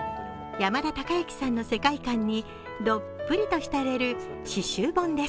山田孝之さんの世界観にどっぷりと浸れる詩集本です。